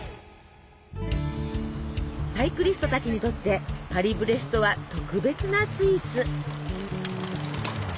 サイクリストたちにとってパリブレストは特別なスイーツ。